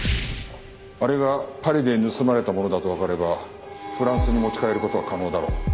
あれがパリで盗まれたものだとわかればフランスに持ち帰る事は可能だろう。